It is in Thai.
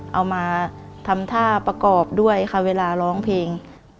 เอามาทำท่าประกอบด้วยค่ะเวลาร้องเพลง